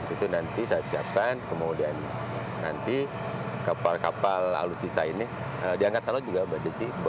itu nanti saya siapkan kemudian nanti kapal kapal alutsista ini di angkatan laut juga mbak desi